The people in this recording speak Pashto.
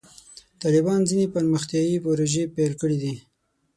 طالبانو ځینې پرمختیایي پروژې پیل کړې دي.